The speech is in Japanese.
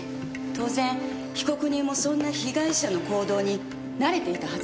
当然被告人もそんな被害者の行動に慣れていたはずです。